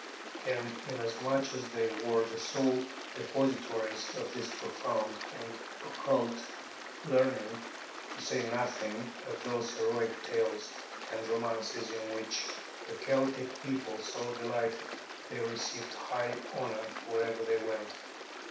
And inasmuch as they were the sole depositories of this profound and occult learning, to say nothing of those heroic tales and romances in which the Celtic people so delighted, they received high honor wherever they went.